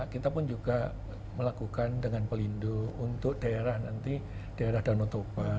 kita pun juga melakukan dengan pelindung untuk daerah nanti daerah danau toba